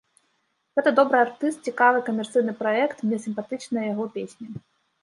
Гэта добры артыст, цікавы камерцыйны праект, мне сімпатычныя яго песні.